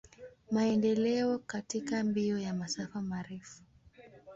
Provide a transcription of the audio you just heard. Maendeleo katika mbio ya masafa marefu.